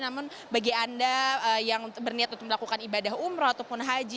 namun bagi anda yang berniat untuk melakukan ibadah umroh ataupun haji